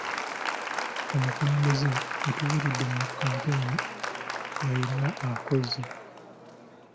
Omukulembeze wetuviiridde mu kampeyini nga yenna akozze